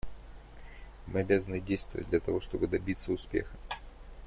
Мы обязаны действовать, для того чтобы добиться успеха.